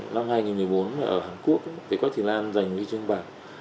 năm hai nghìn một mươi bốn ở hàn quốc thì quách thị lan giành huy chương bạc